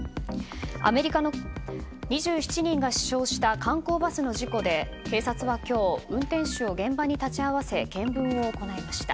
２７人が死傷した観光バスの事故で警察は今日運転手を現場に立ち会わせ見分を行いました。